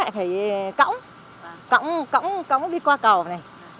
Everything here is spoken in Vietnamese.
bố mẹ phải cõng cõng cõng cõng đi qua cầu này